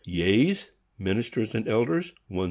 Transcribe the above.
_Yeas, Ministers and Elders, 168.